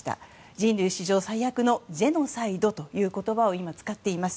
人類史上最悪のジェノサイドという言葉を使っています。